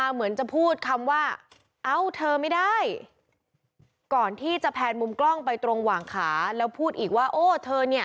เอ้าเธอไม่ได้ก่อนที่จะแพนมุมกล้องไปตรงหว่างขาแล้วพูดอีกว่าโอ้เธอเนี่ย